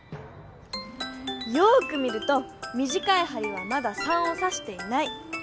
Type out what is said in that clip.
よく見るとみじかいはりはまだ「３」をさしていない。